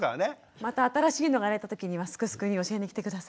また新しいのが出たときには「すくすく」に教えに来て下さい。